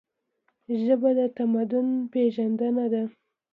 ژبه د تمدن پیژندنه ده.